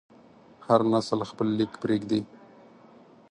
هر نسل خپل لیک پرېږدي.